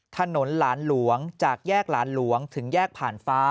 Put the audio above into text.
ถนนหลานหลวงจากแยกหลานหลวงถึงแยกผ่านฟ้า